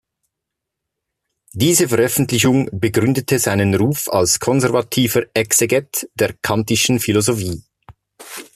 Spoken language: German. Diese Veröffentlichung begründete seinen Ruf als konservativer Exeget der Kantischen Philosophie.